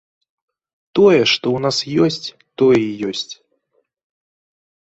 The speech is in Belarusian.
Тое, што ў нас ёсць, тое і ёсць.